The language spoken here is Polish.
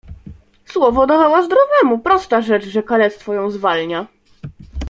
"Słowo dawała zdrowemu, prosta rzecz, że kalectwo ją zwalnia."